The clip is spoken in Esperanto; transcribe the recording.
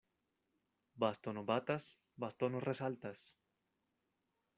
Bastono batas, bastono resaltas.